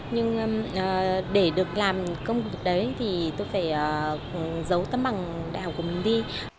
nhưng để được làm công việc đấy thì tôi phải giấu tấm bằng đại học của mình đi